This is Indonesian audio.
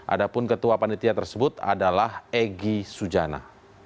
adapun ketua panitia tersebut adalah egy sujana